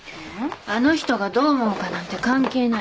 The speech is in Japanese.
あの人がどう思うかなんて関係ない。